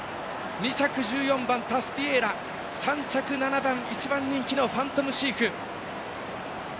２着、１４番タスティエーラ３着７番１番人気のファントムシーフ。